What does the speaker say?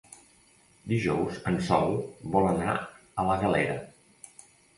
Dijous en Sol vol anar a la Galera.